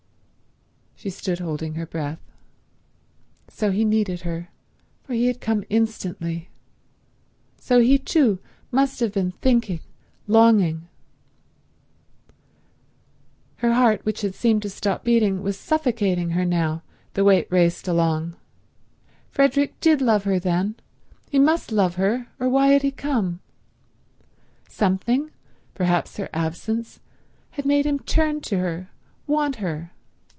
She stood holding her breath. So he needed her, for he had come instantly. So he too must have been thinking, longing ... Her heart, which had seemed to stop beating, was suffocating her now, the way it raced along. Frederick did love her then—he must love her, or why had he come? Something, perhaps her absence, had made him turn to her, want her